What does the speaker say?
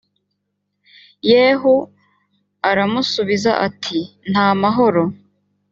yehu aramusubiza ati nta mahoro